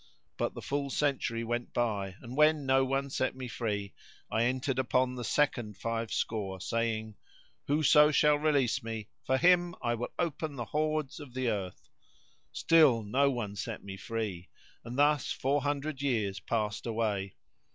But the full century went by and, when no one set me free, I entered upon the second five score saying, "Whoso shall release me, for him I will open the hoards of the earth." Still no one set me free and thus four hundred years passed away.